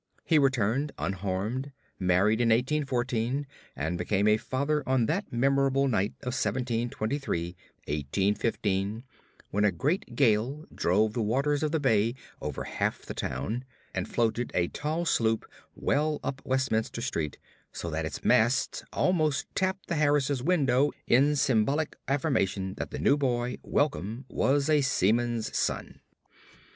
He returned unharmed, married in 1814, and became a father on that memorable night of September 23, 1815, when a great gale drove the waters of the bay over half the town, and floated a tall sloop well up Westminster Street so that its masts almost tapped the Harris windows in symbolic affirmation that the new boy, Welcome, was a seaman's son.